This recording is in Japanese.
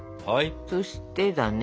そしてだね